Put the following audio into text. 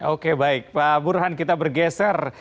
oke baik pak burhan kita bergeser